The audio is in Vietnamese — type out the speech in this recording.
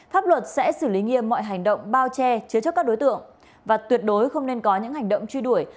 pháp luật sẽ xử lý nghiêm mọi hành động bao che chứa chấp các đối tượng và tuyệt đối không nên có những hành động truy đuổi